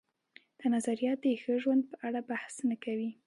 دا نظریه د ښه ژوند په اړه بحث نه کوي.